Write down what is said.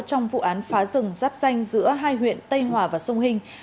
trong vụ án phá rừng giáp danh giữa hai huyện tây hòa và sông hình